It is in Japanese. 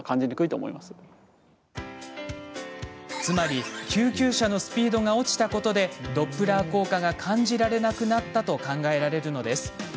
つまり、救急車のスピードが落ちたことでドップラー効果が感じられなくなったと考えられるのです。